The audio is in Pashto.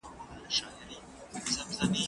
زه به اوږده موده کتابتون ته تللي وم